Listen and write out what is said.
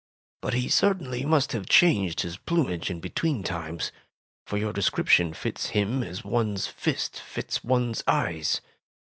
''But he certainly must have changed his plumage in betsveen times, for your descrip tion fits him as one's fist fits one's eyes.